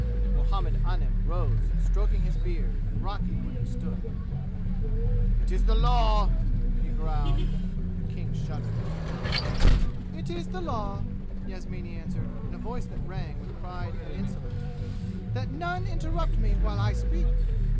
Muhammed Anim rose stroking his beard and rocking where he stood. "It is the law!" he growled, and King shuddered. "It is the law," Yasmini answered in a voice that rang with pride and insolence, "that none interrupt me while I speak!